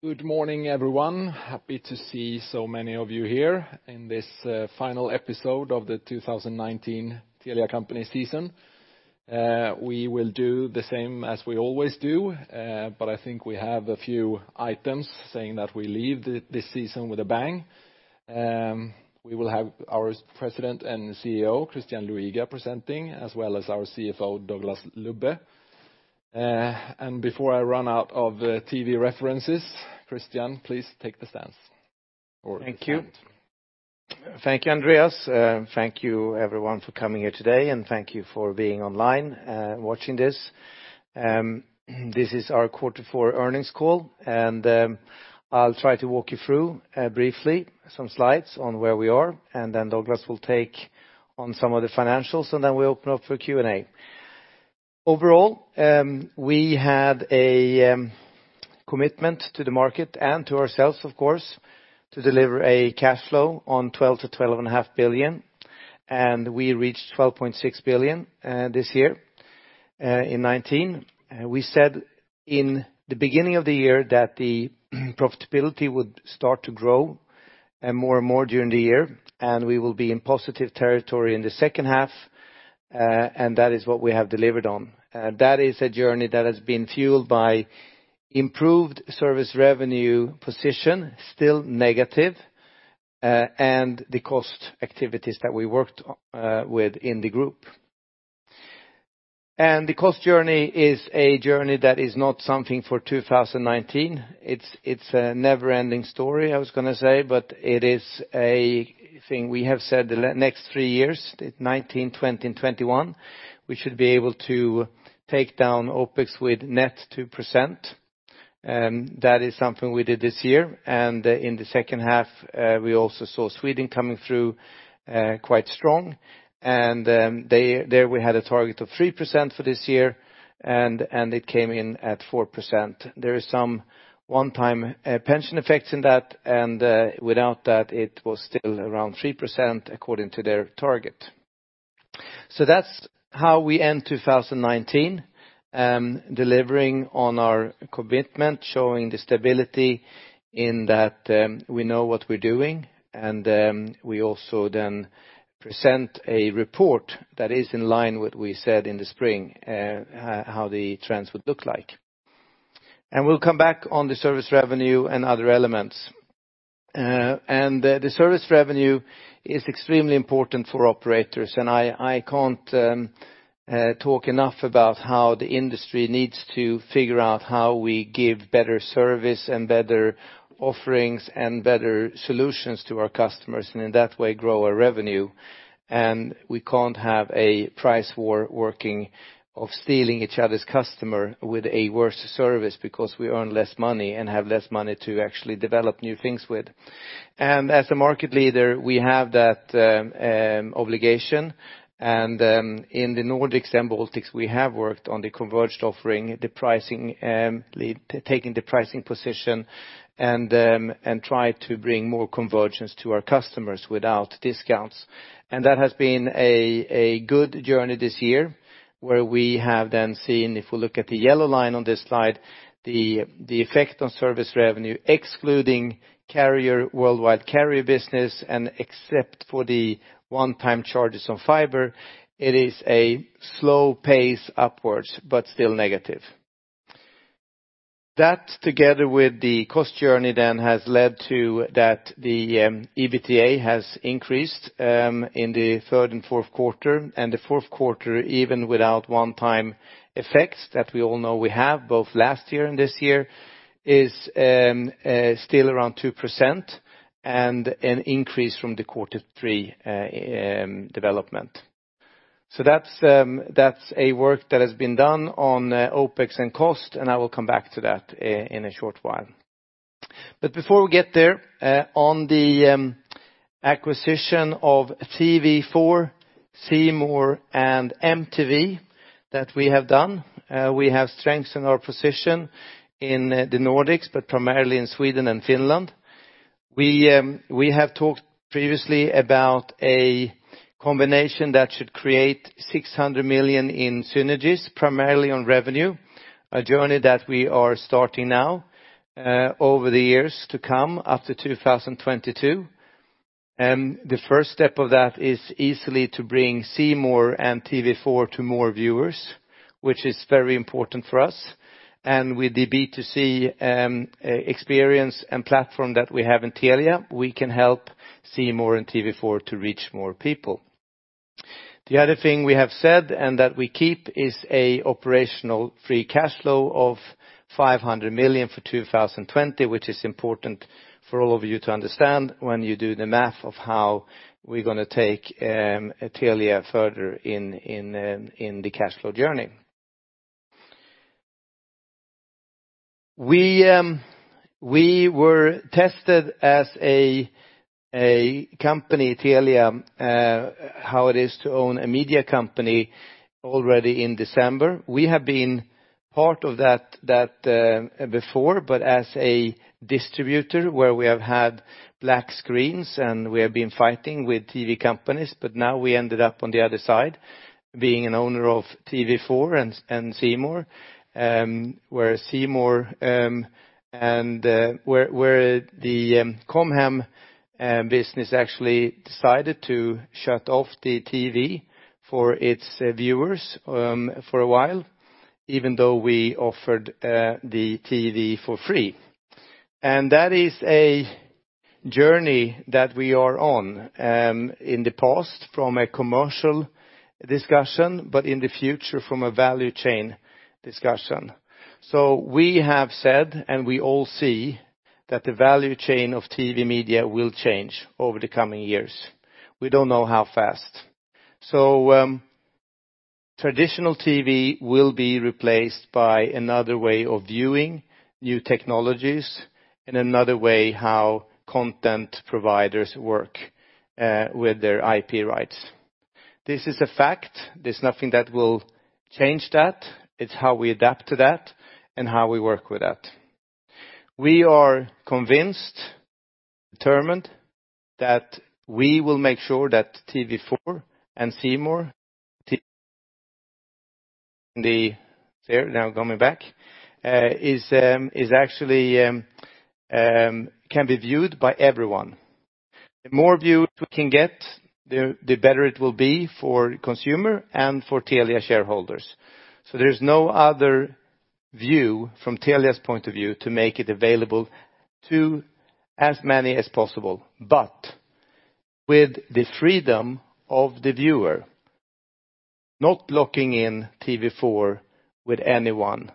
Good morning, everyone. Happy to see so many of you here in this final episode of the 2019 Telia Company season. We will do the same as we always do, but I think we have a few items saying that we leave this season with a bang. We will have our President and CEO, Christian Luiga, presenting, as well as our CFO, Douglas Lubbe. Before I run out of TV references, Christian, please take the stand. Thank you. Thank you, Andreas. Thank you everyone for coming here today. Thank you for being online watching this. This is our quarter four earnings call. I'll try to walk you through, briefly, some slides on where we are, then Douglas will take on some of the financials, then we'll open up for Q&A. Overall, we had a commitment to the market and to ourselves, of course, to deliver a cash flow on 12 billion-12.5 billion. We reached 12.6 billion this year in 2019. We said in the beginning of the year that the profitability would start to grow more and more during the year, we will be in positive territory in the second half. That is what we have delivered on. That is a journey that has been fueled by improved service revenue position, still negative, and the cost activities that we worked with in the group. The cost journey is a journey that is not something for 2019. It's a never-ending story, I was going to say, but it is a thing we have said the next three years, 2019, 2020, and 2021, we should be able to take down OpEx with net 2%. That is something we did this year. In the second half, we also saw Sweden coming through quite strong. There we had a target of 3% for this year, and it came in at 4%. There is some one-time pension effects in that, and without that, it was still around 3% according to their target. That's how we end 2019, delivering on our commitment, showing the stability in that we know what we're doing. We also then present a report that is in line what we said in the spring, how the trends would look like. We'll come back on the service revenue and other elements. The service revenue is extremely important for operators, and I can't talk enough about how the industry needs to figure out how we give better service and better offerings and better solutions to our customers, and in that way, grow our revenue. We can't have a price war working of stealing each other's customer with a worse service because we earn less money and have less money to actually develop new things with. As a market leader, we have that obligation. In the Nordics and Baltics, we have worked on the converged offering, taking the pricing position and try to bring more convergence to our customers without discounts. That has been a good journey this year where we have then seen, if we look at the yellow line on this slide, the effect on service revenue, excluding worldwide carrier business and except for the one-time charges on fiber, it is a slow pace upwards, but still negative. That together with the cost journey then has led to that the EBITDA has increased in the third and fourth quarter, and the fourth quarter, even without one-time effects that we all know we have both last year and this year, is still around 2% and an increase from the quarter three development. That's a work that has been done on OpEx and cost, I will come back to that in a short while. Before we get there, on the acquisition of TV4, C More, and MTV that we have done, we have strengthened our position in the Nordics, but primarily in Sweden and Finland. We have talked previously about a combination that should create 600 million in synergies, primarily on revenue, a journey that we are starting now over the years to come after 2022. The first step of that is easily to bring C More and TV4 to more viewers, which is very important for us. With the B2C experience and platform that we have in Telia, we can help C More and TV4 to reach more people. The other thing we have said and that we keep is an operational free cash flow of 500 million for 2020, which is important for all of you to understand when you do the math of how we're going to take Telia further in the cash flow journey. We were tested as a company, Telia, how it is to own a media company already in December. We have been part of that before, but as a distributor where we have had black screens and we have been fighting with TV companies, but now we ended up on the other side, being an owner of TV4 and C More, where the Com Hem business actually decided to shut off the TV for its viewers for a while, even though we offered the TV for free. That is a journey that we are on in the past from a commercial discussion, but in the future from a value chain discussion. We have said, and we all see, that the value chain of TV media will change over the coming years. We don't know how fast. Traditional TV will be replaced by another way of viewing new technologies and another way how content providers work with their IP rights. This is a fact. There's nothing that will change that. It's how we adapt to that and how we work with that. We are convinced, determined that we will make sure that TV4 and C More there, now coming back, actually can be viewed by everyone. The more views we can get, the better it will be for consumer and for Telia shareholders. There's no other view from Telia's point of view to make it available to as many as possible. With the freedom of the viewer, not locking in TV4 with anyone.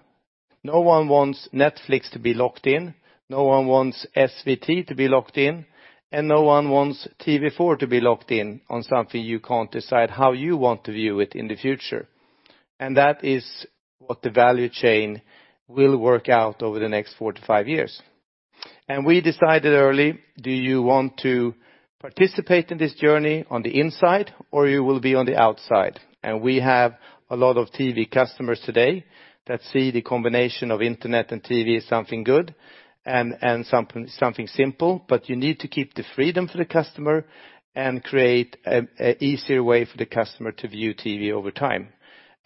No one wants Netflix to be locked in, no one wants SVT to be locked in, and no one wants TV4 to be locked in on something you can't decide how you want to view it in the future. That is what the value chain will work out over the next four to five years. We decided early, do you want to participate in this journey on the inside or you will be on the outside? We have a lot of TV customers today that see the combination of internet and TV as something good and something simple. You need to keep the freedom for the customer and create an easier way for the customer to view TV over time.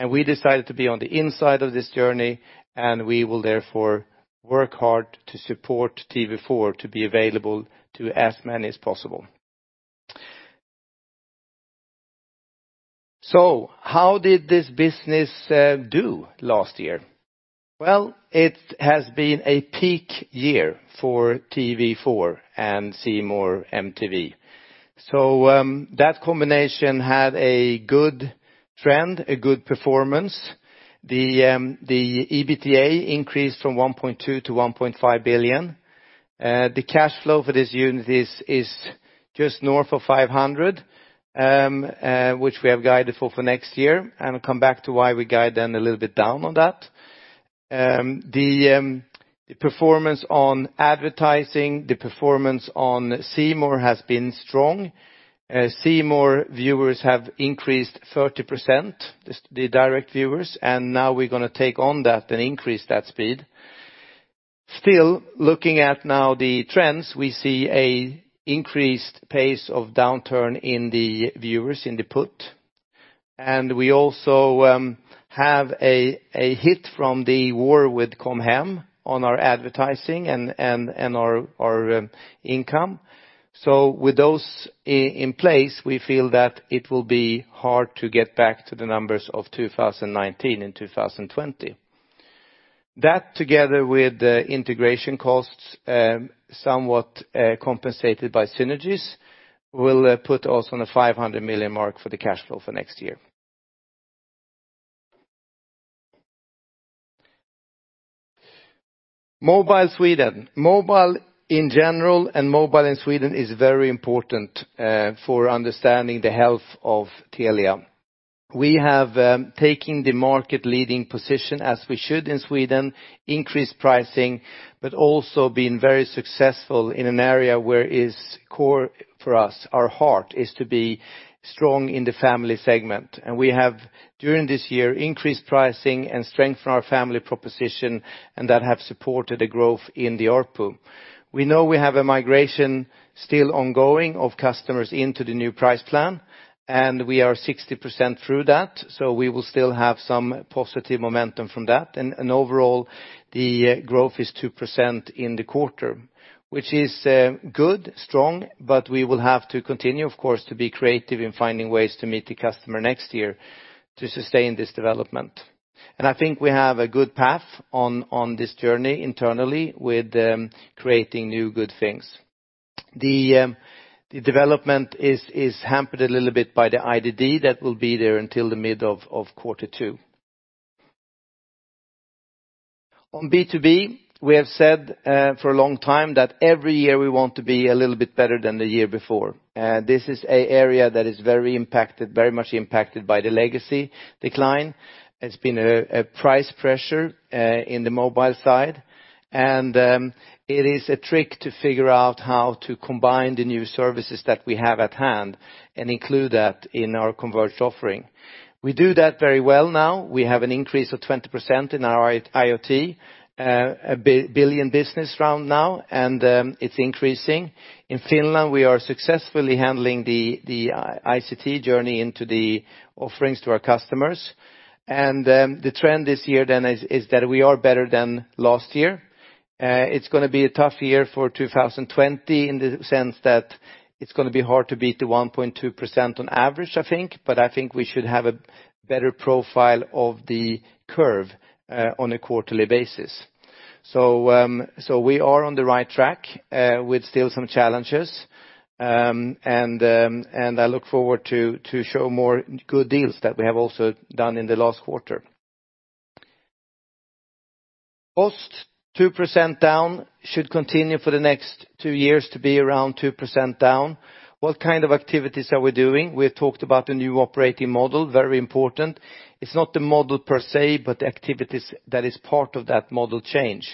We decided to be on the inside of this journey, and we will therefore work hard to support TV4 to be available to as many as possible. How did this business do last year? Well, it has been a peak year for TV4 and C More MTV. That combination had a good trend, a good performance. The EBITDA increased from 1.2 billion to 1.5 billion. The cash flow for this unit is just north of 500 million, which we have guided for next year, and I'll come back to why we guide then a little bit down on that. The performance on advertising, the performance on C More has been strong. C More viewers have increased 30%, the direct viewers. Now we're going to take on that and increase that speed. Looking at now the trends, we see a increased pace of downturn in the viewers in the put. We also have a hit from the war with Com Hem on our advertising and our income. With those in place, we feel that it will be hard to get back to the numbers of 2019 and 2020. That together with integration costs, somewhat compensated by synergies, will put us on a 500 million mark for the cash flow for next year. Mobile Sweden. Mobile in general and mobile in Sweden is very important for understanding the health of Telia. We have taken the market leading position as we should in Sweden, increased pricing, also been very successful in an area where is core for us. Our heart is to be strong in the family segment. We have, during this year, increased pricing and strengthened our family proposition, and that have supported a growth in the ARPU. We know we have a migration still ongoing of customers into the new price plan, we are 60% through that, we will still have some positive momentum from that. Overall, the growth is 2% in the quarter, which is good, strong, we will have to continue, of course, to be creative in finding ways to meet the customer next year to sustain this development. I think we have a good path on this journey internally with creating new good things. The development is hampered a little bit by the IDD that will be there until the mid of quarter two. On B2B, we have said for a long time that every year we want to be a little bit better than the year before. This is an area that is very much impacted by the legacy decline. It's been a price pressure in the mobile side. It is a trick to figure out how to combine the new services that we have at hand and include that in our converged offering. We do that very well now. We have an increase of 20% in our IoT, a 1 billion business around now, and it's increasing. In Finland, we are successfully handling the ICT journey into the offerings to our customers. The trend this year then is that we are better than last year. It's going to be a tough year for 2020 in the sense that it's going to be hard to beat the 1.2% on average, I think. I think we should have a better profile of the curve on a quarterly basis. We are on the right track, with still some challenges. I look forward to show more good deals that we have also done in the last quarter. Cost, 2% down. Should continue for the next two years to be around 2% down. What kind of activities are we doing? We have talked about the new operating model, very important. It's not the model per se, but the activities that is part of that model change.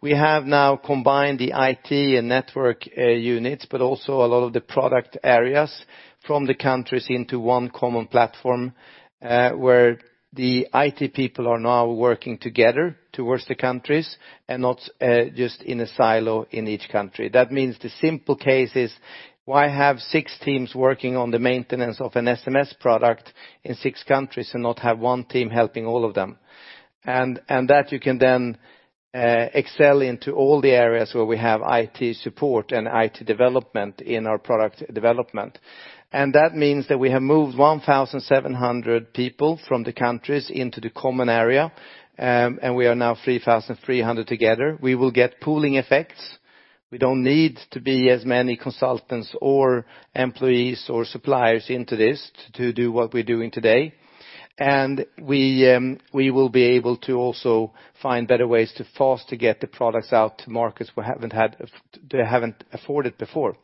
We have now combined the IT and network units, but also a lot of the product areas from the countries into one common platform, where the IT people are now working together towards the countries and not just in a silo in each country. That means the simple case is, why have six teams working on the maintenance of an SMS product in six countries and not have one team helping all of them? That you can then excel into all the areas where we have IT support and IT development in our product development. That means that we have moved 1,700 people from the countries into the common area, and we are now 3,300 together. We will get pooling effects. We don't need to be as many consultants or employees or suppliers into this to do what we're doing today. We will be able to also find better ways to faster get the products out to markets we haven't afforded before.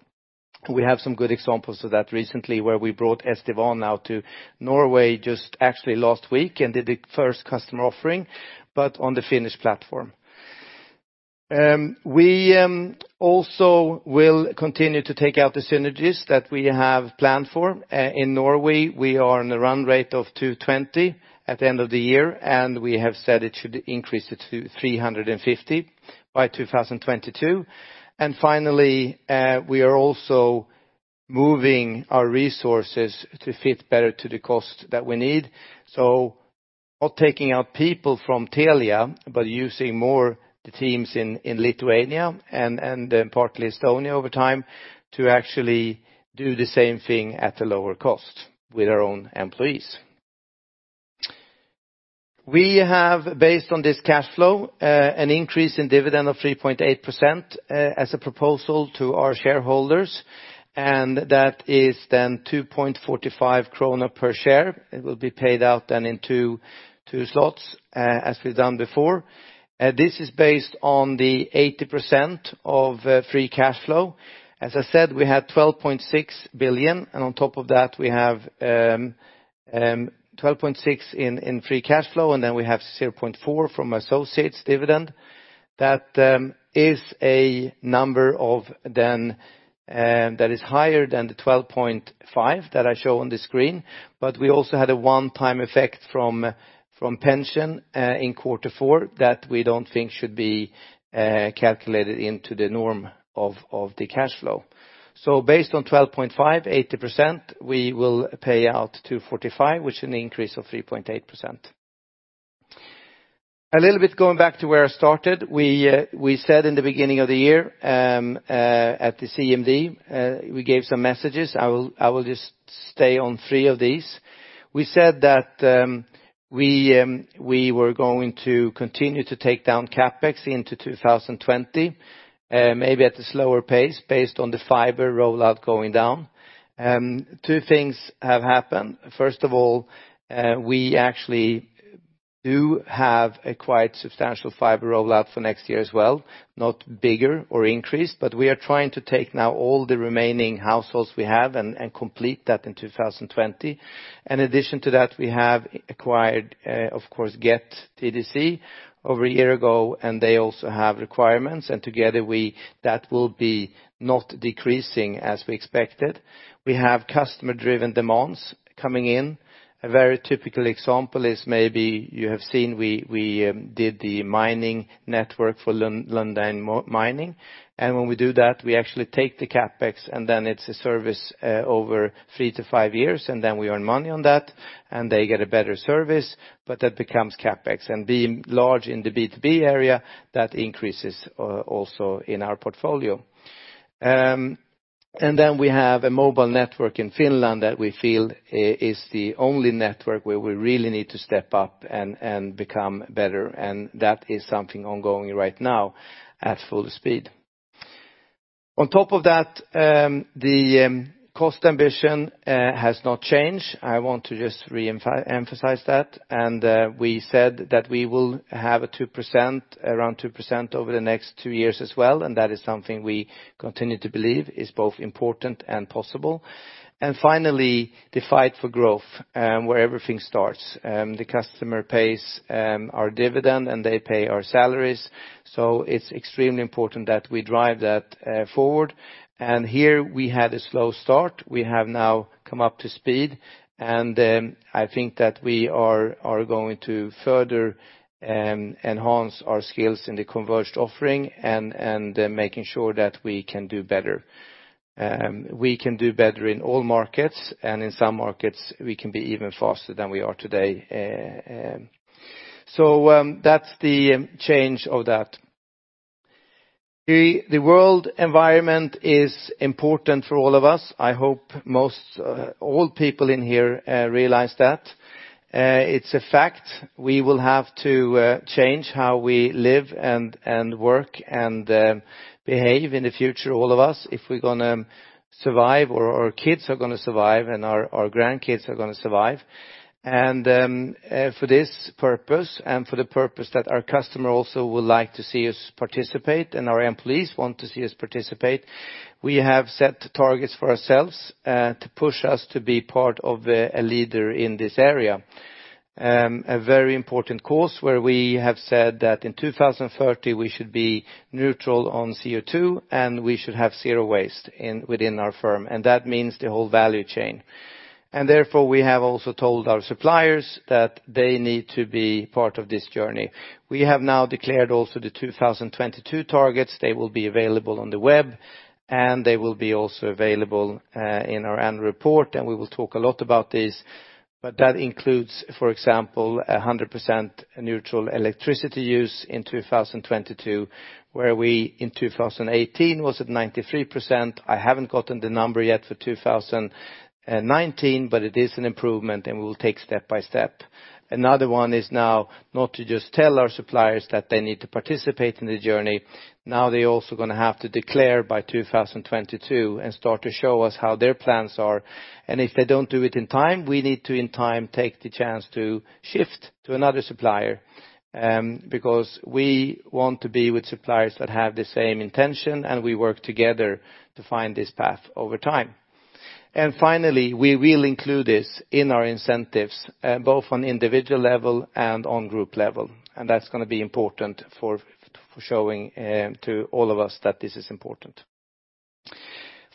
We have some good examples of that recently, where we brought S/4HANA Now to Norway just actually last week and did the first customer offering, but on the Finnish platform. We also will continue to take out the synergies that we have planned for. In Norway, we are on a run rate of 220 at the end of the year, and we have said it should increase it to 350 by 2022. Finally, we are also moving our resources to fit better to the cost that we need. Not taking out people from Telia, but using more the teams in Lithuania and partly Estonia over time to actually do the same thing at a lower cost with our own employees. We have, based on this cash flow, an increase in dividend of 3.8% as a proposal to our shareholders, and that is then 2.45 krona per share. It will be paid out in two slots, as we've done before. This is based on the 80% of free cash flow. As I said, we had 12.6 billion. On top of that, we have 12.6 in free cash flow. We have 0.4 from associates' dividend. That is a number that is higher than the 12.5 that I show on the screen. We also had a one-time effect from pension in quarter four that we don't think should be calculated into the norm of the cash flow. Based on 12.5, 80%, we will pay out 2.45, which is an increase of 3.8%. A little bit going back to where I started. We said in the beginning of the year, at the CMD, we gave some messages. I will just stay on three of these. We said that we were going to continue to take down CapEx into 2020, maybe at a slower pace based on the fiber rollout going down. Two things have happened. First of all, we actually do have a quite substantial fiber rollout for next year as well, not bigger or increased, but we are trying to take now all the remaining households we have and complete that in 2020. In addition to that, we have acquired, of course, Get TDC over a year ago, and they also have requirements. Together, that will be not decreasing as we expected. We have customer-driven demands coming in. A very typical example is maybe you have seen we did the mining network for Lundin Mining. When we do that, we actually take the CapEx and then it's a service over three to five years, and then we earn money on that, and they get a better service, but that becomes CapEx. Being large in the B2B area, that increases also in our portfolio. Then we have a mobile network in Finland that we feel is the only network where we really need to step up and become better. That is something ongoing right now at full speed. On top of that, the cost ambition has not changed. I want to just re-emphasize that. We said that we will have around 2% over the next two years as well, and that is something we continue to believe is both important and possible. Finally, the fight for growth, where everything starts. The customer pays our dividend, and they pay our salaries. It's extremely important that we drive that forward. Here we had a slow start. We have now come up to speed, and I think that we are going to further enhance our skills in the converged offering and making sure that we can do better. We can do better in all markets, and in some markets, we can be even faster than we are today. That's the change of that. The world environment is important for all of us. I hope all people in here realize that. It's a fact. We will have to change how we live and work and behave in the future, all of us, if we're going to survive, or our kids are going to survive, and our grandkids are going to survive. For this purpose, and for the purpose that our customer also would like to see us participate, and our employees want to see us participate, we have set targets for ourselves to push us to be part of a leader in this area. A very important course where we have said that in 2030, we should be neutral on CO2, and we should have zero waste within our firm. That means the whole value chain. Therefore, we have also told our suppliers that they need to be part of this journey. We have now declared also the 2022 targets. They will be available on the web, and they will be also available in our annual report, and we will talk a lot about this. That includes, for example, 100% neutral electricity use in 2022, where we in 2018 was at 93%. I haven't gotten the number yet for 2019, but it is an improvement, and we'll take step by step. Another one is not to just tell our suppliers that they need to participate in the journey. They're also going to have to declare by 2022 and start to show us how their plans are. If they don't do it in time, we need to, in time, take the chance to shift to another supplier, because we want to be with suppliers that have the same intention, and we work together to find this path over time. Finally, we will include this in our incentives, both on individual level and on group level. That's going to be important for showing to all of us that this is important.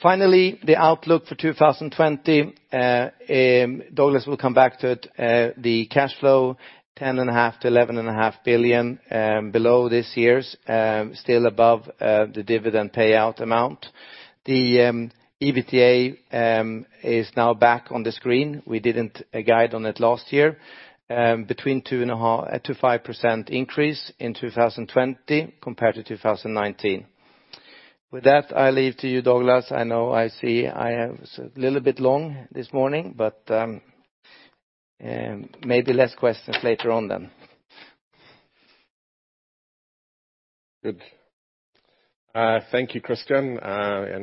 Finally, the outlook for 2020. Douglas will come back to it. The cash flow, 10.5 billion-11.5 billion, below this year's. Still above the dividend payout amount. The EBITDA is now back on the screen. We didn't guide on it last year. Between 2% and 5% increase in 2020 compared to 2019. With that, I leave to you, Douglas. I know I was a little bit long this morning, maybe less questions later on then. Good. Thank you, Christian.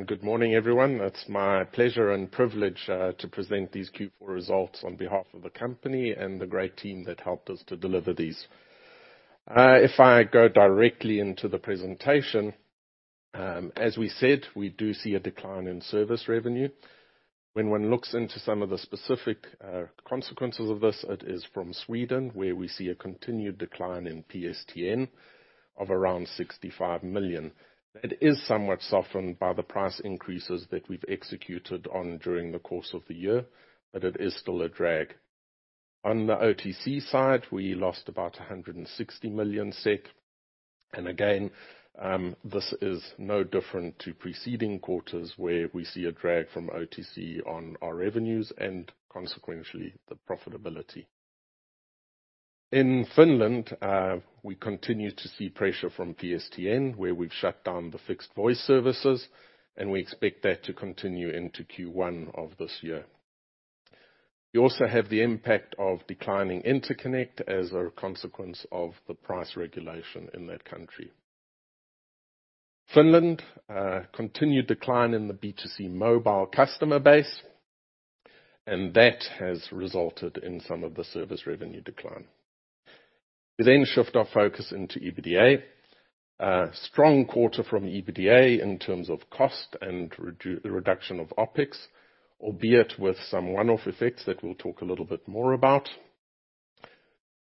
Good morning, everyone. It's my pleasure and privilege to present these Q4 results on behalf of the company and the great team that helped us to deliver these. If I go directly into the presentation, as we said, we do see a decline in service revenue. When one looks into some of the specific consequences of this, it is from Sweden, where we see a continued decline in PSTN of around 65 million. It is somewhat softened by the price increases that we've executed on during the course of the year, but it is still a drag. On the OTC side, we lost about 160 million SEK. Again, this is no different to preceding quarters where we see a drag from OTC on our revenues and consequently, the profitability. In Finland, we continue to see pressure from PSTN, where we've shut down the fixed voice services, and we expect that to continue into Q1 of this year. Also have the impact of declining interconnect as a consequence of the price regulation in that country. Finland, a continued decline in the B2C mobile customer base, That has resulted in some of the service revenue decline. We shift our focus into EBITDA. A strong quarter from EBITDA in terms of cost and reduction of OpEx, albeit with some one-off effects that we'll talk a little bit more about.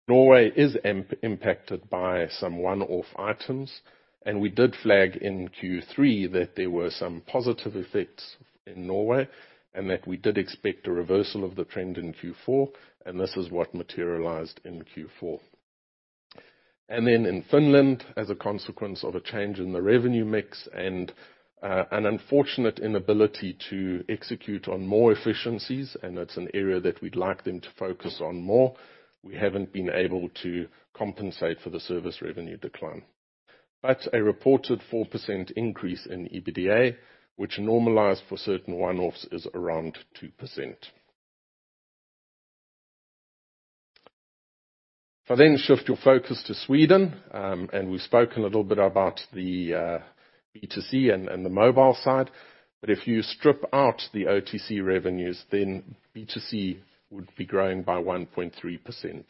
Norway is impacted by some one-off items. We did flag in Q3 that there were some positive effects in Norway. That we did expect a reversal of the trend in Q4. This is what materialized in Q4. In Finland, as a consequence of a change in the revenue mix and an unfortunate inability to execute on more efficiencies, and that's an area that we'd like them to focus on more. We haven't been able to compensate for the service revenue decline. A reported 4% increase in EBITDA, which normalized for certain one-offs, is around 2%. If I shift your focus to Sweden, and we've spoken a little bit about the B2C and the mobile side. If you strip out the OTC revenues then B2C would be growing by 1.3%.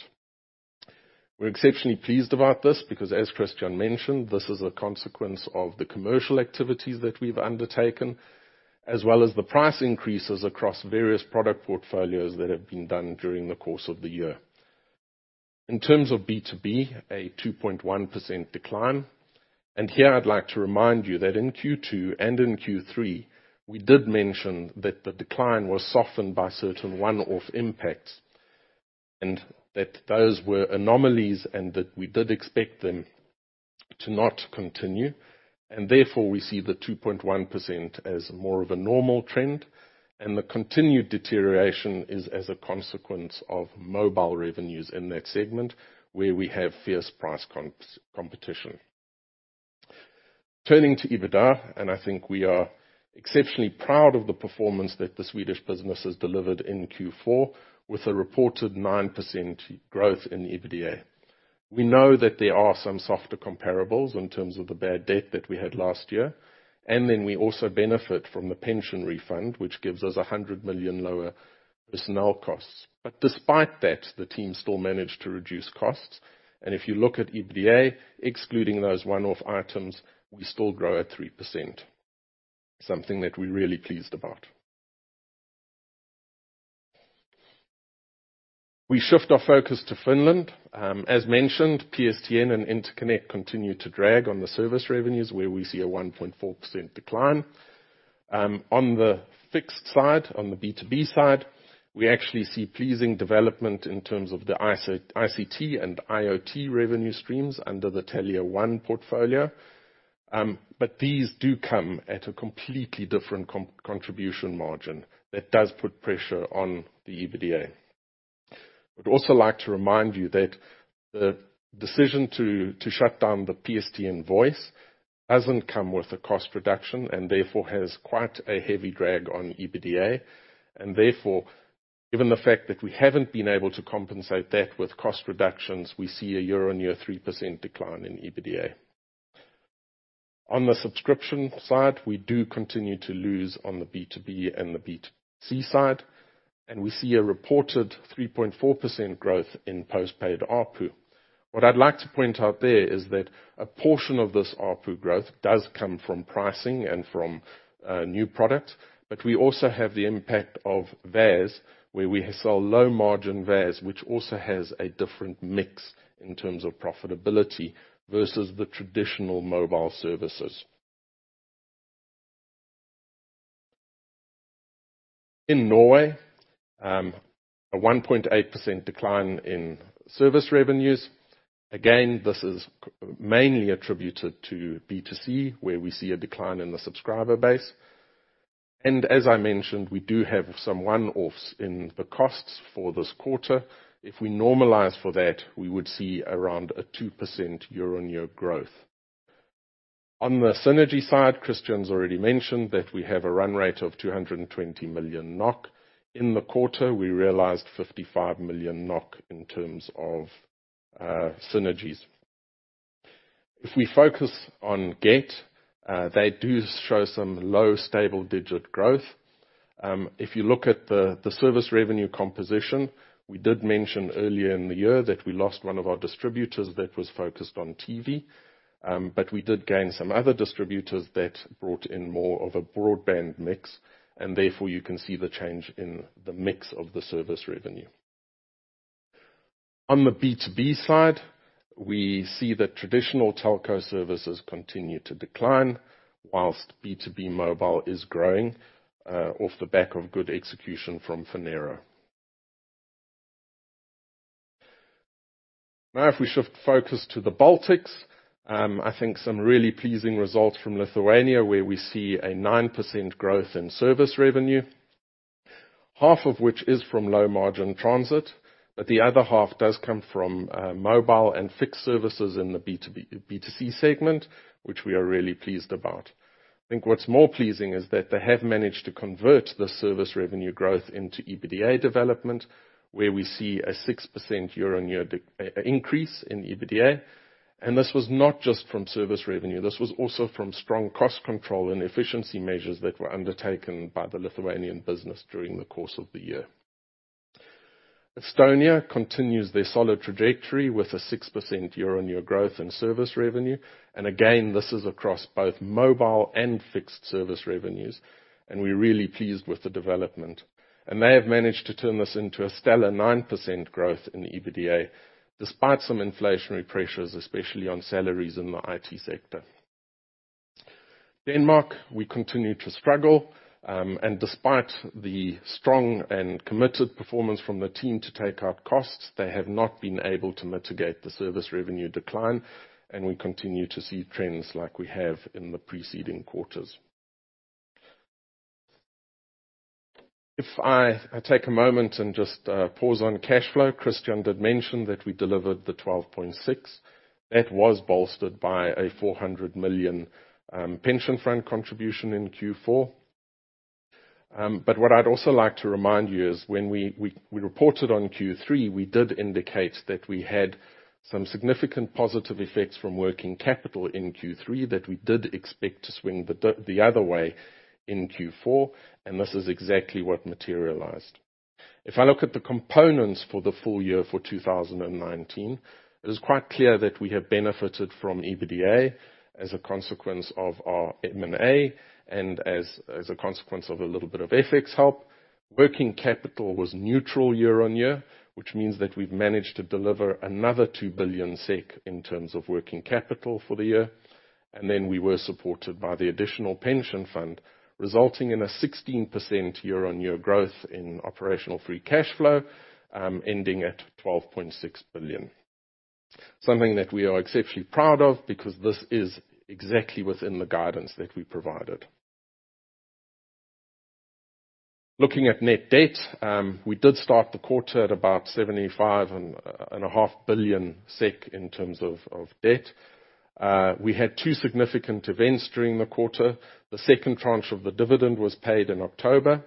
We're exceptionally pleased about this because as Christian mentioned, this is a consequence of the commercial activities that we've undertaken, as well as the price increases across various product portfolios that have been done during the course of the year. In terms of B2B, a 2.1% decline. Here I'd like to remind you that in Q2 and in Q3, we did mention that the decline was softened by certain one-off impacts, and that those were anomalies and that we did expect them to not continue. Therefore we see the 2.1% as more of a normal trend, and the continued deterioration is as a consequence of mobile revenues in that segment, where we have fierce price competition. Turning to EBITDA, I think we are exceptionally proud of the performance that the Swedish business has delivered in Q4, with a reported 9% growth in the EBITDA. We know that there are some softer comparables in terms of the bad debt that we had last year, we also benefit from the pension refund, which gives us 100 million lower personnel costs. Despite that, the team still managed to reduce costs. If you look at EBITDA, excluding those one-off items, we still grow at 3%, something that we're really pleased about. We shift our focus to Finland. As mentioned, PSTN and Interconnect continue to drag on the service revenues, where we see a 1.4% decline. On the fixed side, on the B2B side, we actually see pleasing development in terms of the ICT and IoT revenue streams under the Telia One portfolio. These do come at a completely different contribution margin that does put pressure on the EBITDA. Would also like to remind you that the decision to shut down the PSTN voice hasn't come with a cost reduction, and therefore has quite a heavy drag on EBITDA. Therefore, given the fact that we haven't been able to compensate that with cost reductions, we see a year-on-year 3% decline in EBITDA. On the subscription side, we do continue to lose on the B2B and the B2C side, and we see a reported 3.4% growth in post-paid ARPU. What I'd like to point out there is that a portion of this ARPU growth does come from pricing and from new product, but we also have the impact of VAS, where we sell low margin VAS, which also has a different mix in terms of profitability, versus the traditional mobile services. In Norway, a 1.8% decline in service revenues. Again, this is mainly attributed to B2C, where we see a decline in the subscriber base. As I mentioned, we do have some one-offs in the costs for this quarter. If we normalize for that, we would see around a 2% year-on-year growth. On the synergy side, Christian's already mentioned that we have a run rate of 220 million NOK. In the quarter, we realized 55 million NOK in terms of synergies. If we focus on Get, they do show some low, stable digit growth. If you look at the service revenue composition, we did mention earlier in the year that we lost one of our distributors that was focused on TV, but we did gain some other distributors that brought in more of a broadband mix. Therefore you can see the change in the mix of the service revenue. On the B2B side, we see that traditional telco services continue to decline, whilst B2B mobile is growing, off the back of good execution from Phonero. Now if we shift focus to the Baltics, I think some really pleasing results from Lithuania, where we see a 9% growth in service revenue, half of which is from low-margin transit, but the other half does come from mobile and fixed services in the B2C segment, which we are really pleased about. I think what's more pleasing is that they have managed to convert the service revenue growth into EBITDA development, where we see a 6% year-on-year increase in EBITDA. This was not just from service revenue, this was also from strong cost control and efficiency measures that were undertaken by the Lithuanian business during the course of the year. Estonia continues their solid trajectory with a 6% year-on-year growth in service revenue. Again, this is across both mobile and fixed service revenues, and we're really pleased with the development. They have managed to turn this into a stellar 9% growth in EBITDA, despite some inflationary pressures, especially on salaries in the IT sector. Denmark, we continue to struggle. Despite the strong and committed performance from the team to take out costs, they have not been able to mitigate the service revenue decline, and we continue to see trends like we have in the preceding quarters. If I take a moment and just pause on cash flow. Christian did mention that we delivered the 12.6. That was bolstered by a 400 million pension front contribution in Q4. What I'd also like to remind you is when we reported on Q3, we did indicate that we had some significant positive effects from working capital in Q3 that we did expect to swing the other way in Q4, and this is exactly what materialized. If I look at the components for the full year for 2019, it is quite clear that we have benefited from EBITDA as a consequence of our M&A, and as a consequence of a little bit of FX help. Working capital was neutral year-on-year, which means that we've managed to deliver another 2 billion SEK in terms of working capital for the year. We were supported by the additional pension fund, resulting in a 16% year-on-year growth in operational free cash flow, ending at 12.6 billion. Something that we are exceptionally proud of, because this is exactly within the guidance that we provided. Looking at net debt, we did start the quarter at about 75.5 billion SEK in terms of debt. We had two significant events during the quarter. The second tranche of the dividend was paid in October.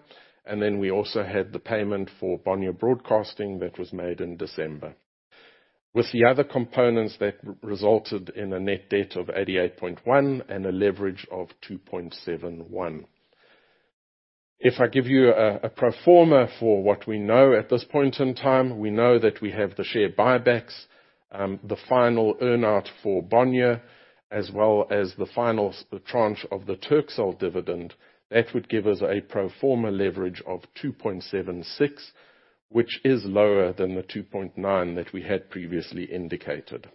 We also had the payment for Bonnier Broadcasting that was made in December. With the other components, that resulted in a net debt of 88.1 and a leverage of 2.71x. If I give you a pro forma for what we know at this point in time, we know that we have the share buybacks, the final earn-out for Bonnier, as well as the final tranche of the Turkcell dividend. That would give us a pro forma leverage of 2.76x, which is lower than the 2.9x that we had previously indicated.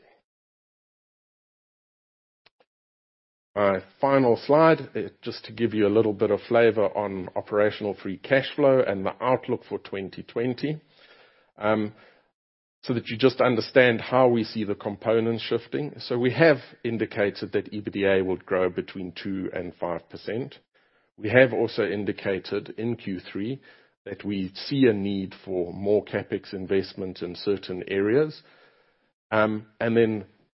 My final slide, just to give you a little bit of flavor on operational free cash flow and the outlook for 2020. You just understand how we see the components shifting. We have indicated that EBITDA will grow between 2% and 5%. We have also indicated in Q3 that we see a need for more CapEx investment in certain areas.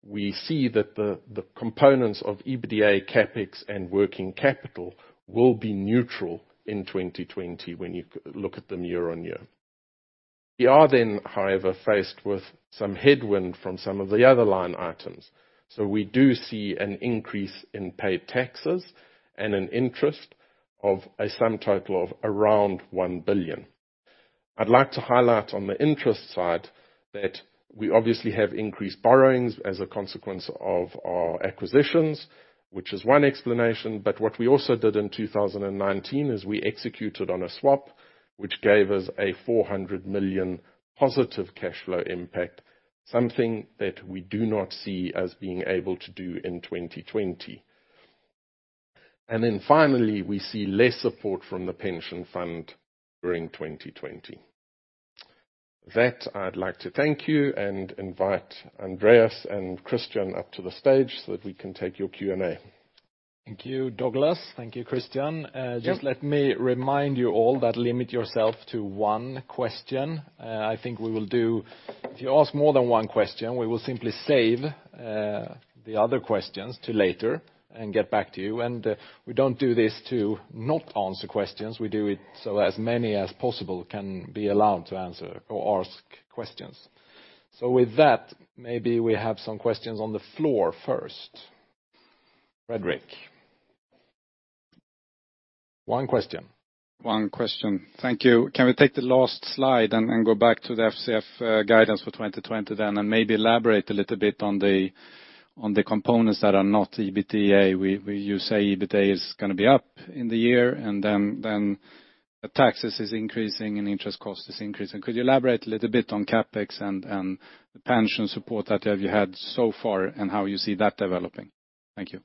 We see that the components of EBITDA, CapEx, and working capital will be neutral in 2020 when you look at them year-on-year. We are then, however, faced with some headwind from some of the other line items. We do see an increase in paid taxes and an interest of a sum total of around 1 billion. I'd like to highlight on the interest side that we obviously have increased borrowings as a consequence of our acquisitions, which is one explanation. What we also did in 2019 is we executed on a swap, which gave us a 400 million positive cash flow impact, something that we do not see as being able to do in 2020. Finally, we see less support from the pension fund during 2020. With that, I'd like to thank you and invite Andreas and Christian up to the stage so that we can take your Q&A. Thank you, Douglas. Thank you, Christian. Yep. Just let me remind you all that limit yourself to one question. If you ask more than one question, we will simply save the other questions to later and get back to you. We don't do this to not answer questions. We do it so as many as possible can be allowed to ask questions. With that, maybe we have some questions on the floor first. Fredrik. One question. One question. Thank you. Can we take the last slide and go back to the FCF guidance for 2020 then, and maybe elaborate a little bit on the components that are not EBITDA? You say EBITDA is going to be up in the year, and then the taxes is increasing and interest cost is increasing. Could you elaborate a little bit on CapEx and the pension support that you have had so far and how you see that developing? Thank you.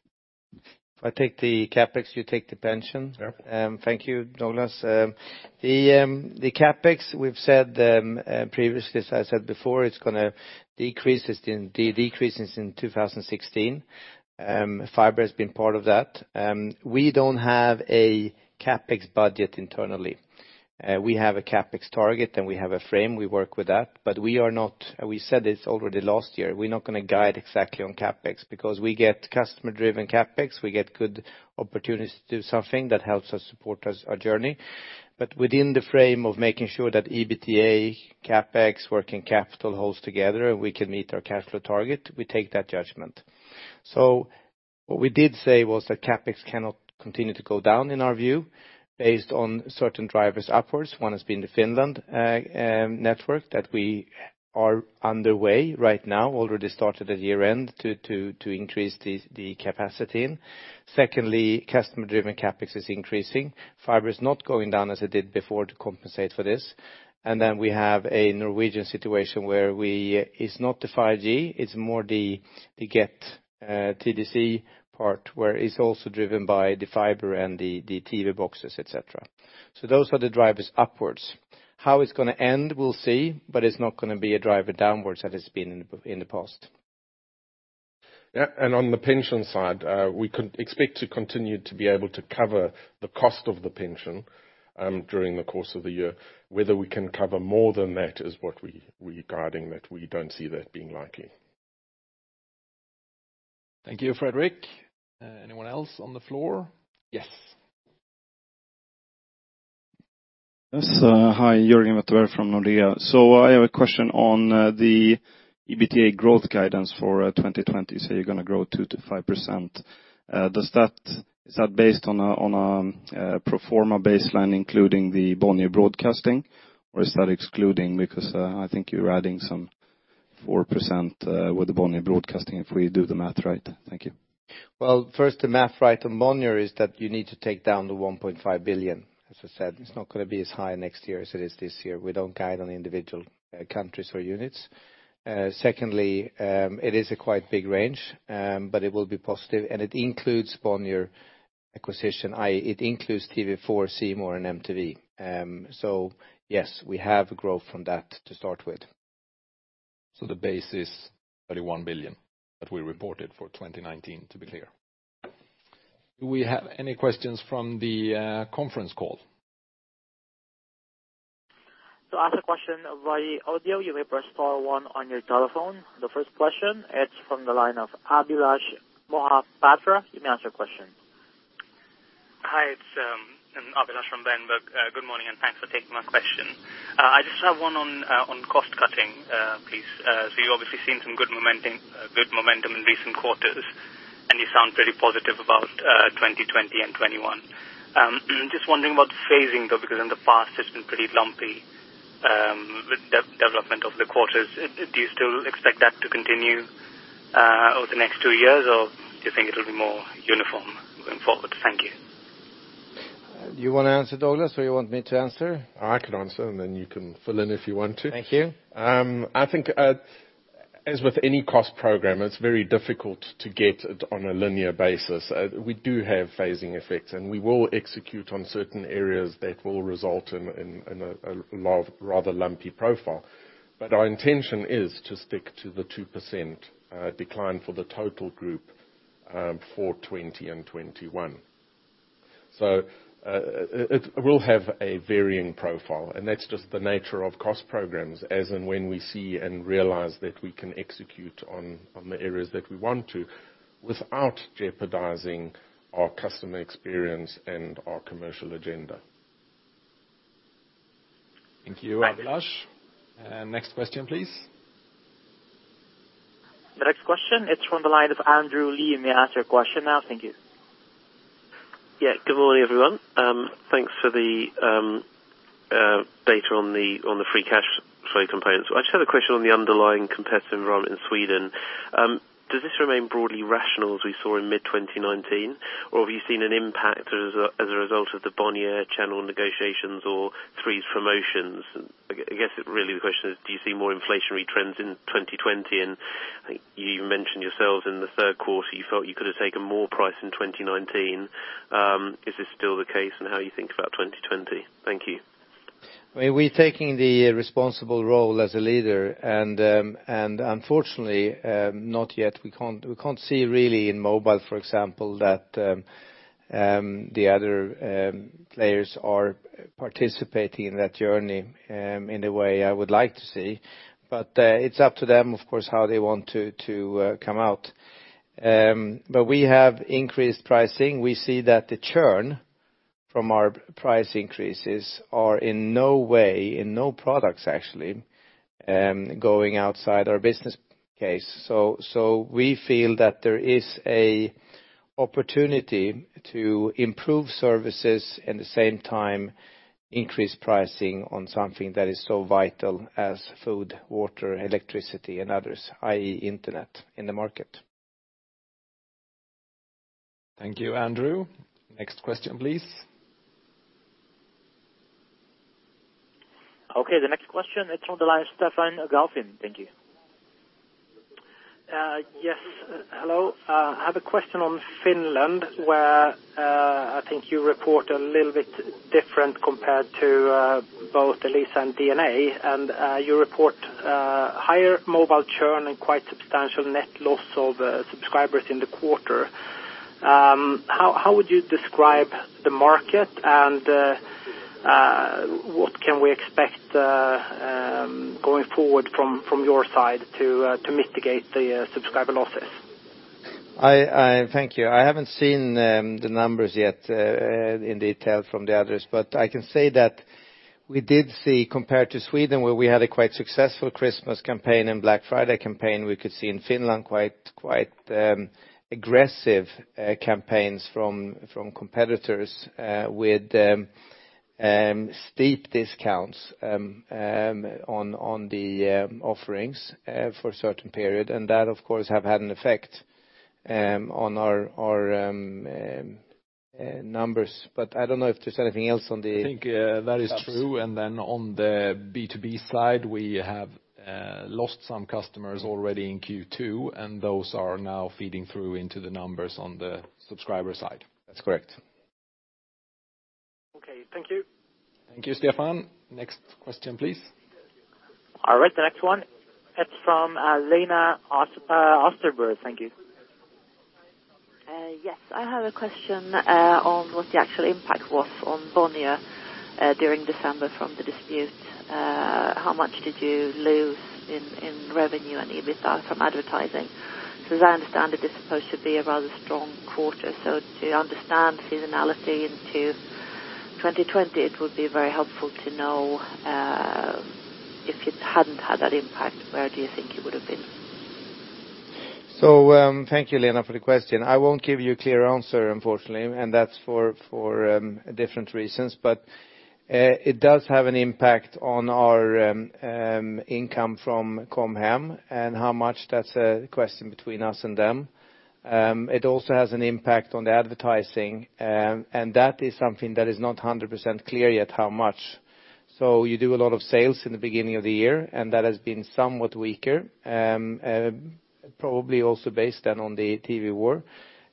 If I take the CapEx, you take the pension. Sure. Thank you, Douglas. The CapEx, as I said before, it's going to decrease since in 2016. Fiber has been part of that. We don't have a CapEx budget internally. We have a CapEx target, and we have a frame. We work with that. We said this already last year, we're not going to guide exactly on CapEx because we get customer-driven CapEx. We get good opportunities to do something that helps us support our journey. Within the frame of making sure that EBITDA, CapEx, working capital holds together and we can meet our cash flow target, we take that judgment. What we did say was that CapEx cannot continue to go down in our view, based on certain drivers upwards. One has been the Finland network that we are underway right now, already started at year-end to increase the capacity. Secondly, customer-driven CapEx is increasing. Fiber is not going down as it did before to compensate for this. We have a Norwegian situation where it's not the 5G, it's more the Get TDC part where it's also driven by the fiber and the TV boxes, et cetera. Those are the drivers upwards. How it's going to end, we'll see, but it's not going to be a driver downwards as it's been in the past. Yeah, on the pension side, we expect to continue to be able to cover the cost of the pension during the course of the year. Whether we can cover more than that is what we're guiding that we don't see that being likely. Thank you, Fredrik. Anyone else on the floor? Yes. Yes. Hi, Jörgen Wetterberg from Nordea. I have a question on the EBITDA growth guidance for 2020. You say you're going to grow 2%-5%. Is that based on a pro forma baseline including the Bonnier Broadcasting, or is that excluding? I think you're adding some 4% with the Bonnier Broadcasting if we do the math right. Thank you. First, the math right on Bonnier is that you need to take down the 1.5 billion. As I said, it's not going to be as high next year as it is this year. We don't guide on individual countries or units. Secondly, it is a quite big range, but it will be positive and it includes Bonnier Broadcasting, it includes TV4, C More, and MTV. Yes, we have growth from that to start with. The base is 31 billion that we reported for 2019, to be clear. Do we have any questions from the conference call? To ask a question via audio, you may press star one on your telephone. The first question, it's from the line of Abhilash Mohapatra. You may ask your question. Hi, it's Abhilash from Berenberg. Good morning, thanks for taking my question. I just have one on cost-cutting, please. You've obviously seen some good momentum in recent quarters, and you sound very positive about 2020 and 2021. Just wondering about the phasing, though, because in the past it's been pretty lumpy, the development of the quarters. Do you still expect that to continue over the next two years, or do you think it'll be more uniform going forward? Thank you. Do you want to answer it, Douglas, or you want me to answer? I can answer, and then you can fill in if you want to. Thank you. I think, as with any cost program, it's very difficult to get it on a linear basis. We do have phasing effects, and we will execute on certain areas that will result in a rather lumpy profile. Our intention is to stick to the 2% decline for the total group for 2020 and 2021. It will have a varying profile, and that's just the nature of cost programs, as and when we see and realize that we can execute on the areas that we want to without jeopardizing our customer experience and our commercial agenda. Thank you, Abhilash. Next question, please. The next question is from the line of Andrew Lee. You may ask your question now. Thank you. Yeah. Good morning, everyone. Thanks for the data on the free cash flow components. I just had a question on the underlying competitive environment in Sweden. Does this remain broadly rational, as we saw in mid-2019, or have you seen an impact as a result of the Bonnier channel negotiations or Three's promotions? I guess really the question is, do you see more inflationary trends in 2020? I think you mentioned yourselves in the third quarter, you felt you could have taken more price in 2019. Is this still the case, and how you think about 2020? Thank you. We're taking the responsible role as a leader, and unfortunately, not yet. We can't see really in mobile, for example, that the other players are participating in that journey in a way I would like to see. It's up to them, of course, how they want to come out. We have increased pricing. We see that the churn from our price increases are in no way, in no products actually, going outside our business case. We feel that there is a opportunity to improve services, at the same time increase pricing on something that is so vital as food, water, electricity, and others, i.e., internet in the market. Thank you, Andrew. Next question, please. Okay, the next question is from the line Stefan Gauffin. Thank you. Yes. Hello. I have a question on Finland, where I think you report a little bit different compared to both Elisa and DNA. You report higher mobile churn and quite substantial net loss of subscribers in the quarter. How would you describe the market, and what can we expect going forward from your side to mitigate the subscriber losses? Thank you. I haven't seen the numbers yet in detail from the others. I can say that we did see, compared to Sweden, where we had a quite successful Christmas campaign and Black Friday campaign, we could see in Finland quite aggressive campaigns from competitors with steep discounts on the offerings for a certain period. That, of course, have had an effect on our numbers. I don't know if there's anything else on the- I think that is true. On the B2B side, we have lost some customers already in Q2, and those are now feeding through into the numbers on the subscriber side. That's correct. Okay. Thank you. Thank you, Stefan. Next question, please. All right. The next one, it's from Lena Österberg. Thank you. Yes. I have a question on what the actual impact was on Bonnier during December from the dispute. How much did you lose in revenue and EBITA from advertising? As I understand it, this is supposed to be a rather strong quarter. To understand seasonality into 2020, it would be very helpful to know, if you hadn't had that impact, where do you think you would've been? Thank you, Lena, for the question. I won't give you a clear answer, unfortunately, and that's for different reasons. It does have an impact on our income from Com Hem, and how much, that's a question between us and them. It also has an impact on the advertising, and that is something that is not 100% clear yet how much. You do a lot of sales in the beginning of the year, and that has been somewhat weaker. Probably also based then on the TV war,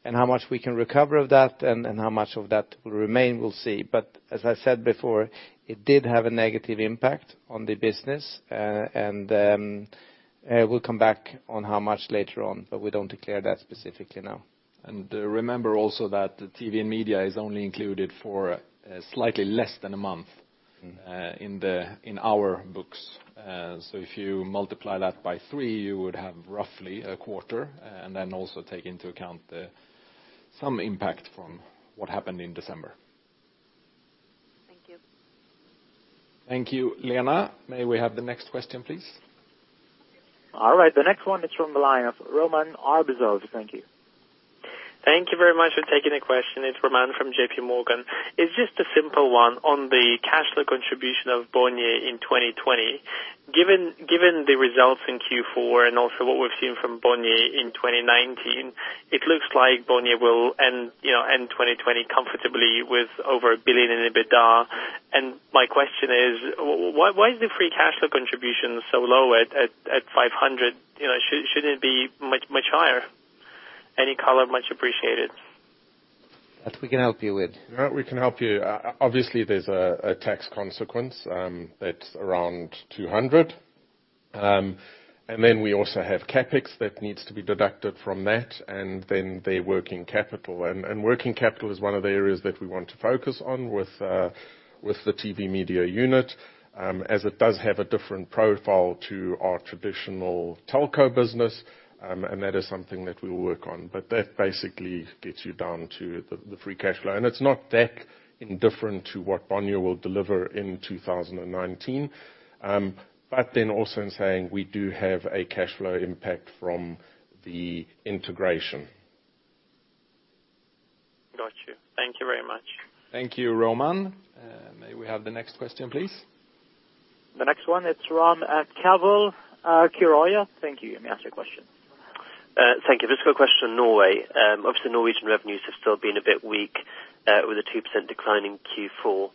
and how much we can recover of that and how much of that will remain, we'll see. As I said before, it did have a negative impact on the business. We'll come back on how much later on, but we don't declare that specifically now. Remember also that the TV and media is only included for slightly less than a month in our books. If you multiply that by three, you would have roughly a quarter, and then also take into account some impact from what happened in December. Thank you. Thank you, Lena. May we have the next question, please? All right. The next one is from the line of Roman Arbuzov. Thank you. Thank you very much for taking the question. It's Roman from JPMorgan. It's just a simple one on the cash flow contribution of Bonnier in 2020. Given the results in Q4 and also what we've seen from Bonnier in 2019, it looks like Bonnier will end 2020 comfortably with over 1 billion in EBITDA. My question is, why is the free cash flow contribution so low at 500? Shouldn't it be much higher? Any color much appreciated. That we can help you with. We can help you. Obviously there's a tax consequence, that's around 200. Then we also have CapEx that needs to be deducted from that, and then the working capital. Working capital is one of the areas that we want to focus on with the TV media unit, as it does have a different profile to our traditional telco business. That is something that we'll work on. That basically gets you down to the free cash flow. It's not that indifferent to what Bonnier will deliver in 2019. Also in saying we do have a cash flow impact from the integration. Got you. Thank you very much. Thank you, Roman. May we have the next question, please? The next one is from Keval Khiroya. Thank you. You may ask your question. Thank you. Just a quick question on Norway. Obviously Norwegian revenues have still been a bit weak, with a 2% decline in Q4.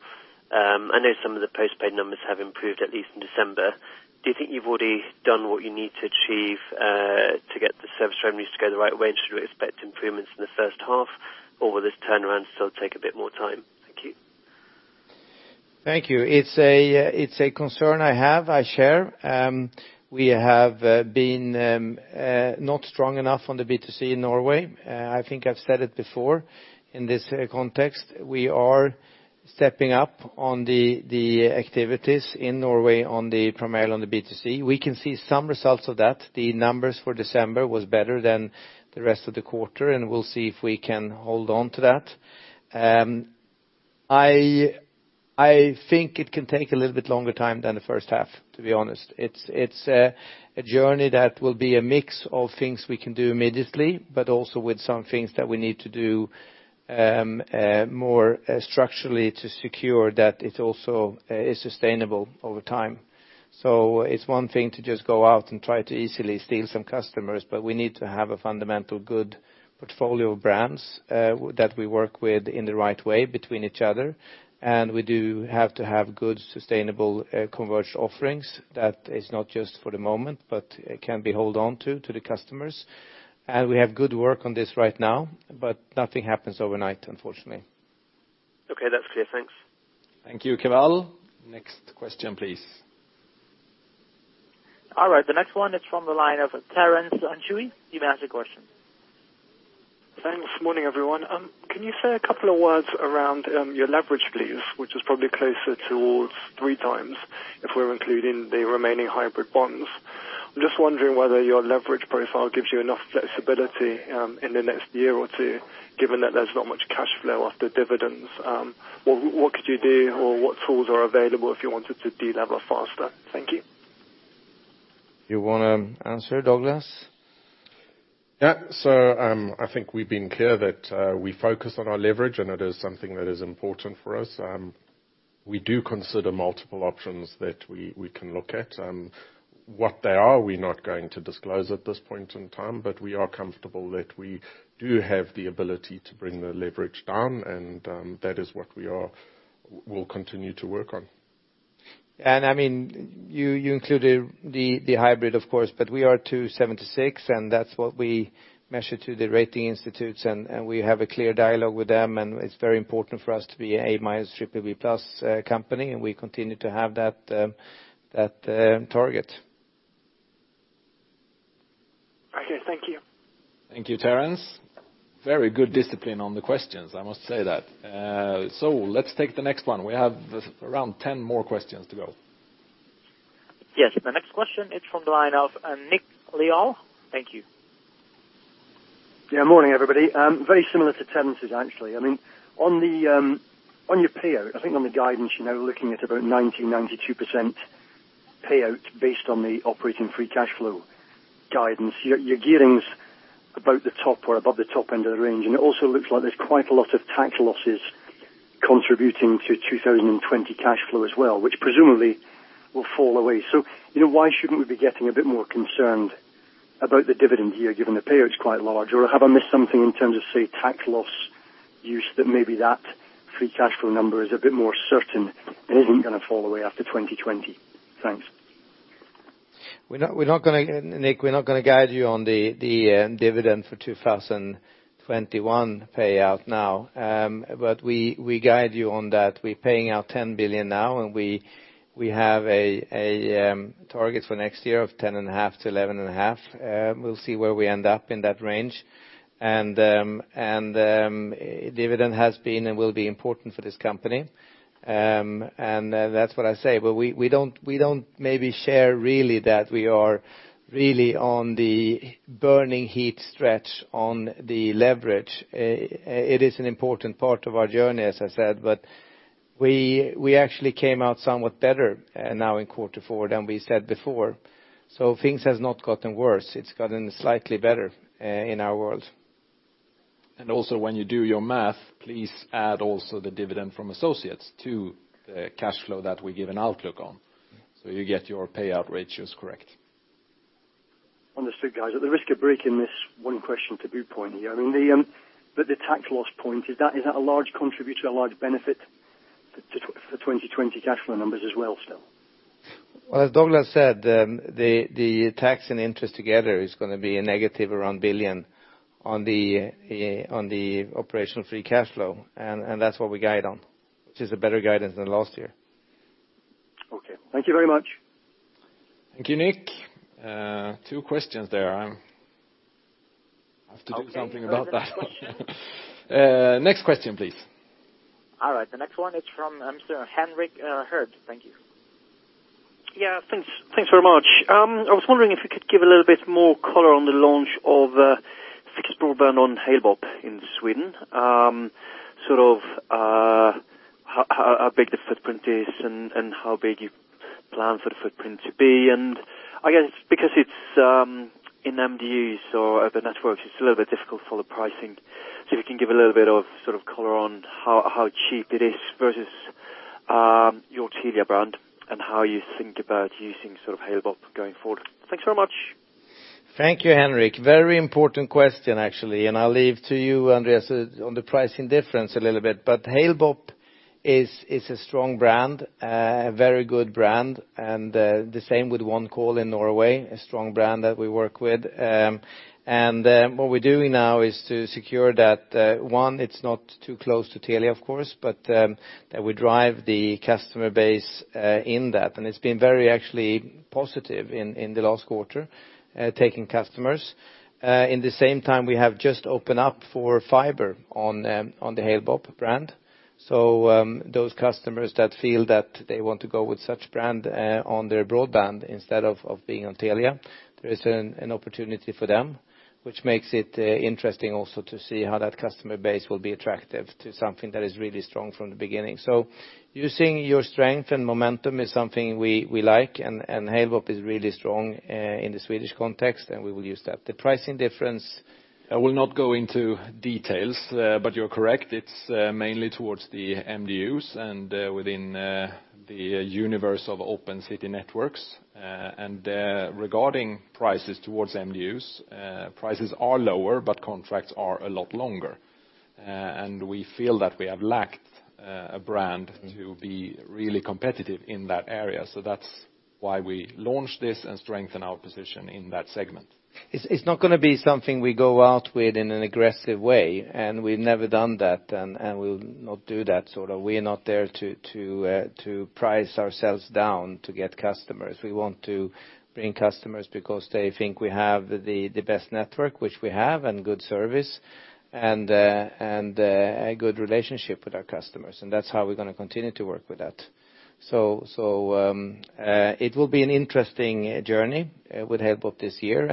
I know some of the postpaid numbers have improved, at least in December. Do you think you've already done what you need to achieve to get the service revenues to go the right way? Should we expect improvements in the first half, or will this turnaround still take a bit more time? Thank you. Thank you. It's a concern I have, I share. We have been not strong enough on the B2C in Norway. I think I've said it before in this context. We are stepping up on the activities in Norway primarily on the B2C. We can see some results of that. The numbers for December was better than the rest of the quarter. We'll see if we can hold on to that. I think it can take a little bit longer time than the first half, to be honest. It's a journey that will be a mix of things we can do immediately, also with some things that we need to do more structurally to secure that it also is sustainable over time. It's one thing to just go out and try to easily steal some customers, but we need to have a fundamental good portfolio of brands that we work with in the right way between each other. We do have to have good, sustainable converged offerings that is not just for the moment, but can be held on to the customers. We have good work on this right now, but nothing happens overnight, unfortunately. Okay, that's clear. Thanks. Thank you, Keval. Next question, please. All right, the next one is from the line of [Terence Anciu]. You may ask your question. Thanks. Morning, everyone. Can you say a couple of words around your leverage, please, which is probably closer towards 3x if we're including the remaining hybrid bonds. I'm just wondering whether your leverage profile gives you enough flexibility in the next year or two, given that there's not much cash flow after dividends. What could you do or what tools are available if you wanted to de-lever faster? Thank you. You want to answer, Douglas? I think we've been clear that we focus on our leverage and it is something that is important for us. We do consider multiple options that we can look at. What they are, we're not going to disclose at this point in time, we are comfortable that we do have the ability to bring the leverage down and that is what we will continue to work on. You included the hybrid of course, but we are 276. That's what we measure to the rating institutes. We have a clear dialogue with them. It's very important for us to be A- BBB+ company. We continue to have that target. Okay. Thank you. Thank you, Terence. Very good discipline on the questions, I must say that. Let's take the next one. We have around 10 more questions to go. Yes, the next question is from the line of Nick Lyall. Thank you. Yeah, morning everybody. Very similar to Terence's actually. On your payout, I think on the guidance, you're now looking at about 90%-92% payout based on the operating free cash flow guidance. Your gearing's about the top or above the top end of the range. It also looks like there's quite a lot of tax losses contributing to 2020 cash flow as well, which presumably will fall away. Why shouldn't we be getting a bit more concerned about the dividend here given the payout's quite large? Have I missed something in terms of, say, tax losses that maybe that free cash flow number is a bit more certain and isn't going to fall away after 2020. Thanks. Nick, we're not going to guide you on the dividend for 2021 payout now. We guide you on that we're paying out 10 billion now, and we have a target for next year of 10.5 billion-11.5 billion. We'll see where we end up in that range. Dividend has been and will be important for this company, and that's what I say. We don't maybe share really that we are really on the burning heat stretch on the leverage. It is an important part of our journey, as I said, but we actually came out somewhat better now in quarter four than we said before. Things has not gotten worse. It's gotten slightly better in our world. Also when you do your math, please add also the dividend from associates to the cash flow that we give an outlook on, so you get your payout ratios correct. Understood, guys. At the risk of breaking this one question to good point here, the tax loss point, is that a large contributor, a large benefit for 2020 cash flow numbers as well still? Well, as Douglas said, the tax and interest together is going to be a negative around billion on the operational free cash flow. That's what we guide on. Which is a better guidance than last year. Okay. Thank you very much. Thank you, Nick. Two questions there. I have to do something about that. Okay. No further questions. Next question, please. All right, the next one is from, I'm sorry, Henrik Herbst. Thank you. Yeah, thanks very much. I was wondering if you could give a little bit more color on the launch of fixed broadband on Halebop in Sweden. Sort of how big the footprint is and how big you plan for the footprint to be, I guess because it is in MDUs or other networks, it is a little bit difficult for the pricing. If you can give a little bit of sort of color on how cheap it is versus your Telia brand and how you think about using Halebop going forward. Thanks very much. Thank you, Henrik. Very important question, actually. I'll leave to you, Andreas, on the pricing difference a little bit. Halebop is a strong brand, a very good brand, and the same with OneCall in Norway, a strong brand that we work with. What we're doing now is to secure that, one, it's not too close to Telia, of course, but that we drive the customer base in that. It's been very actually positive in the last quarter taking customers. In the same time, we have just opened up for fiber on the Halebop brand. Those customers that feel that they want to go with such brand on their broadband instead of being on Telia, there is an opportunity for them, which makes it interesting also to see how that customer base will be attractive to something that is really strong from the beginning. Using your strength and momentum is something we like, and Halebop is really strong in the Swedish context, and we will use that. The pricing difference. I will not go into details, but you're correct. It's mainly towards the MDUs and within the universe of open city networks. Regarding prices towards MDUs, prices are lower, but contracts are a lot longer. We feel that we have lacked a brand to be really competitive in that area. That's why we launched this and strengthen our position in that segment. It's not going to be something we go out with in an aggressive way, we've never done that, and we'll not do that. We're not there to price ourselves down to get customers. We want to bring customers because they think we have the best network, which we have, good service, and a good relationship with our customers. That's how we're going to continue to work with that. It will be an interesting journey with Halebop this year.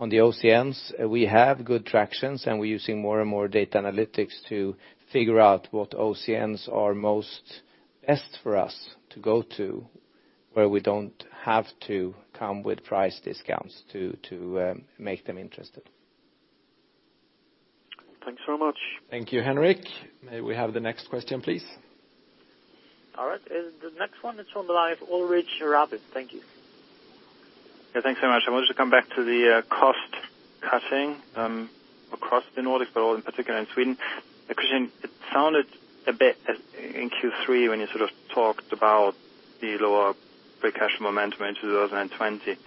On the OCNs, we have good tractions, and we're using more and more data analytics to figure out what OCNs are most best for us to go to, where we don't have to come with price discounts to make them interested. Thanks so much. Thank you, Henrik. May we have the next question, please? All right. The next one is from Ulrich Rathe. Thank you. Yeah. Thanks so much. I wanted to come back to the cost cutting across the Nordics, but in particular in Sweden. It sounded a bit in Q3 when you sort of talked about the lower free cash flow momentum in 2020. It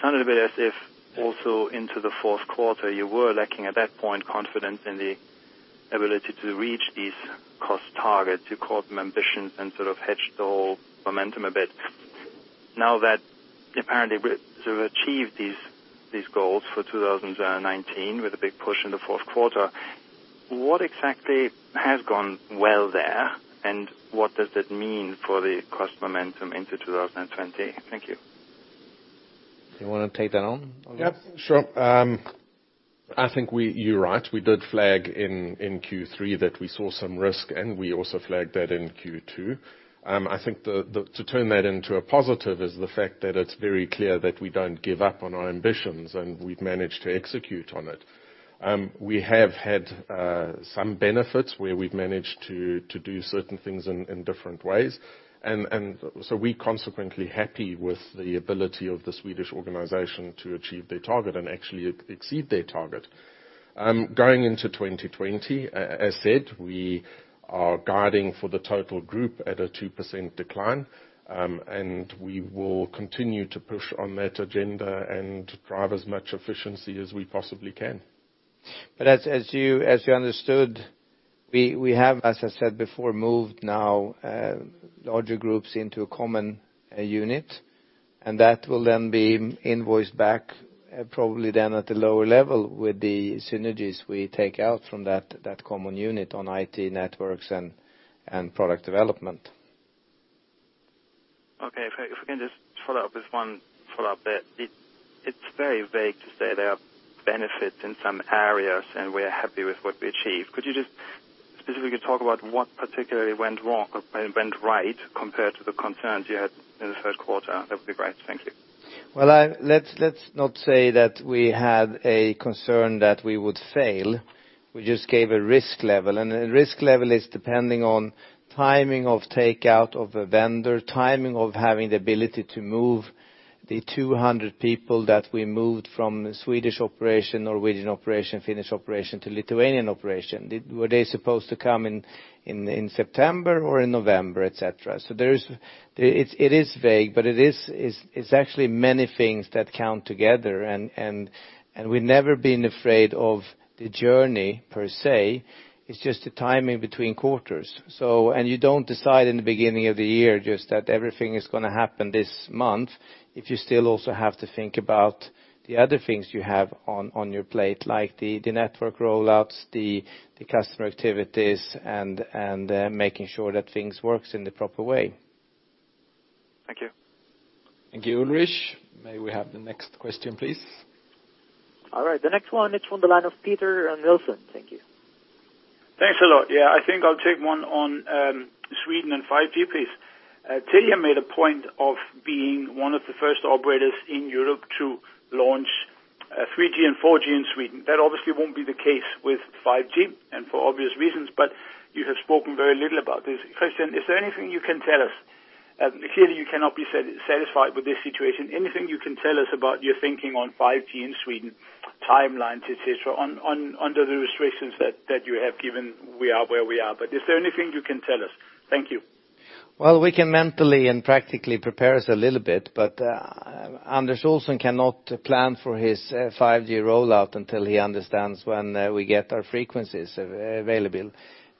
sounded a bit as if also into the fourth quarter, you were lacking at that point confidence in the ability to reach these cost targets. You called them ambitions and sort of hedged the whole momentum a bit. Now that apparently we've achieved these goals for 2019 with a big push in the fourth quarter, what exactly has gone well there, and what does that mean for the cost momentum into 2020? Thank you. You want to take that on, Douglas? Yep. Sure. I think you're right. We did flag in Q3 that we saw some risk, and we also flagged that in Q2. I think to turn that into a positive is the fact that it's very clear that we don't give up on our ambitions, and we've managed to execute on it. We have had some benefits where we've managed to do certain things in different ways. We consequently happy with the ability of the Swedish organization to achieve their target and actually exceed their target. Going into 2020, as said, we are guiding for the total group at a 2% decline. We will continue to push on that agenda and drive as much efficiency as we possibly can. As you understood, we have, as I said before, moved now larger groups into a common unit, and that will then be invoiced back, probably then at a lower level with the synergies we take out from that common unit on IT networks and product development. Okay. If we can just follow up with one follow-up bit. It's very vague to say there are benefits in some areas, and we are happy with what we achieved. Could you just specifically talk about what particularly went wrong or went right compared to the concerns you had in the first quarter? That would be great. Thank you. Well, let's not say that we had a concern that we would fail. We just gave a risk level. The risk level is depending on timing of takeout of a vendor, timing of having the ability to move the 200 people that we moved from the Swedish operation, Norwegian operation, Finnish operation to Lithuanian operation. Were they supposed to come in September or in November, et cetera? It is vague, but it's actually many things that count together. We've never been afraid of the journey per se. It's just the timing between quarters. You don't decide in the beginning of the year just that everything is going to happen this month if you still also have to think about the other things you have on your plate, like the network rollouts, the customer activities, and making sure that things work in the proper way. Thank you. Thank you, Ulrich. May we have the next question, please? All right. The next one is from the line of Peter Nilsson. Thank you. Thanks a lot. Yeah, I think I'll take one on Sweden and 5G, please. Telia made a point of being one of the first operators in Europe to launch 3G and 4G in Sweden. That obviously won't be the case with 5G, and for obvious reasons, but you have spoken very little about this. Christian, is there anything you can tell us? Clearly, you cannot be satisfied with this situation. Anything you can tell us about your thinking on 5G in Sweden, timelines, et cetera, under the restrictions that you have given, we are where we are. Is there anything you can tell us? Thank you. Well, we can mentally and practically prepare us a little bit, but Anders Olsson cannot plan for his 5G rollout until he understands when we get our frequencies available.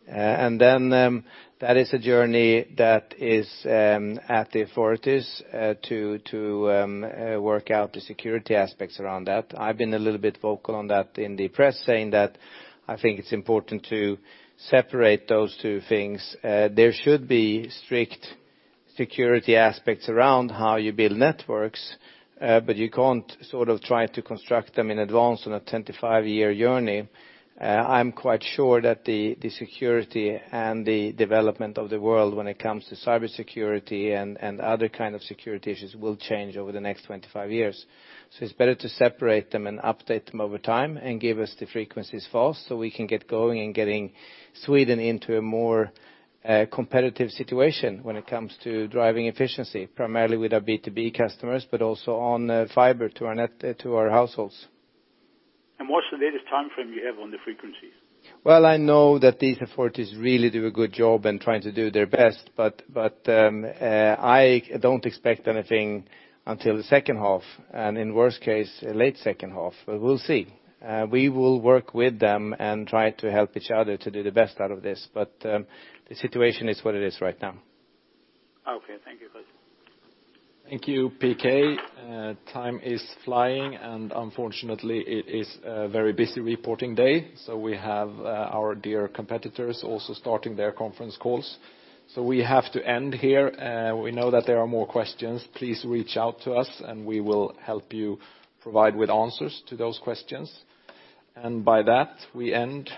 That is a journey that is at the authorities to work out the security aspects around that. I've been a little bit vocal on that in the press, saying that I think it's important to separate those two things. There should be strict security aspects around how you build networks, but you can't sort of try to construct them in advance on a 25-year journey. I'm quite sure that the security and the development of the world when it comes to cybersecurity and other kind of security issues will change over the next 25 years. It's better to separate them and update them over time and give us the frequencies fast so we can get going in getting Sweden into a more competitive situation when it comes to driving efficiency, primarily with our B2B customers, but also on fiber to our households. What's the latest timeframe you have on the frequencies? Well, I know that these authorities really do a good job in trying to do their best, but I don't expect anything until the second half, and in worst case, late second half. We'll see. We will work with them and try to help each other to do the best out of this. The situation is what it is right now. Okay. Thank you. Thank you, [P.K.]. Time is flying, and unfortunately, it is a very busy reporting day, so we have our dear competitors also starting their conference calls. We have to end here. We know that there are more questions. Please reach out to us, and we will help you provide with answers to those questions. By that, we end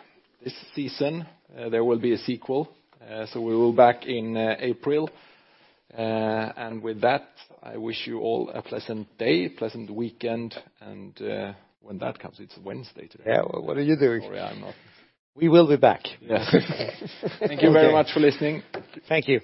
this season. There will be a sequel, so we will be back in April. With that, I wish you all a pleasant day, pleasant weekend, and when that comes, it's Wednesday today. Yeah. Well, what are you doing? Sorry, I'm off. We will be back. Yes. Thank you very much for listening. Thank you.